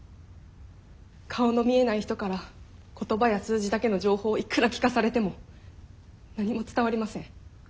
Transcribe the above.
顔の見えない人から言葉や数字だけの情報をいくら聞かされても何も伝わりません。